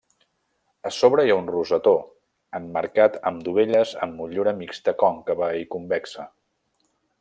A sobre hi ha un rosetó emmarcat amb dovelles amb motllura mixta còncava i convexa.